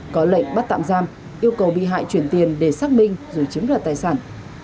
có lệnh bắt tạm giam yêu cầu bị hại chuyển tiền để xác minh rồi chiếm đoạt tài sản